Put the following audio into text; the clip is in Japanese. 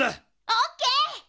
オッケー！